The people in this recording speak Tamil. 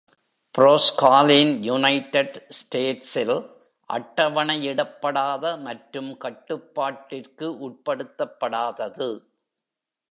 ப்ரோஸ்காலின் யுனைடெட் ஸ்டேட்ஸில் அட்டவணையிடப்படாத மற்றும் கட்டுப்பாட்டிற்கு உட்படுத்தப்படாதது.